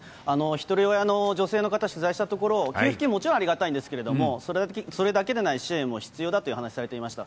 ひとり親の女性の方、取材したところ、給付金、もちろんありがたいんですけれども、それだけではない支援も必要だという話されてました。